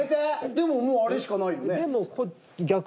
でももうあれしかないよね。